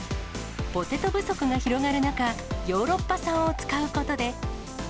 ポテト不足が広がる中、ヨーロッパ産を使うことで。